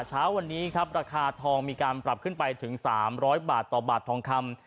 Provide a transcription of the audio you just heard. เช้าวันนี้ครับราคาทองมีการปรับขึ้นไปถึง๓๐๐บาทต่อบาททองคำ